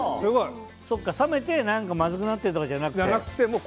冷めてまずくなってるとかじゃなくて。